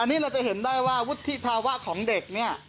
อันนี้เราจะเห็นได้ว่าวุฒิภาวะของเด็กเนี่ย